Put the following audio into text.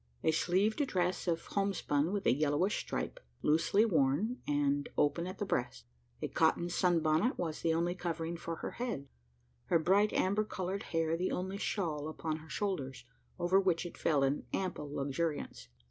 A sleeved dress of homespun with a yellowish stripe, loosely worn, and open at the breast. A cotton "sun bonnet" was the only covering for her head her bright amber coloured hair the only shawl upon her shoulders, over which it fell in ample luxuriance.